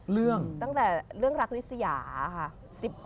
เรื่องตั้งแต่เรื่องรักริสยาค่ะ